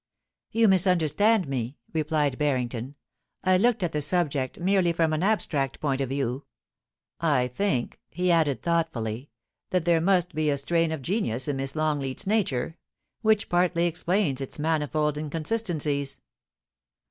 * You misunderstand me,* replied Barrington, * I looked at the subject merely from an abstract point of view. I think/ he added thoughtfully, * that there must be a strain of genius in Miss Longleat's nature, which partly explains its manifold inconsistencies.'